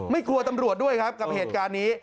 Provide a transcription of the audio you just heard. กลัวตำรวจด้วยครับกับเหตุการณ์นี้